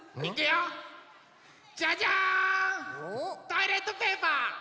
トイレットペーパー！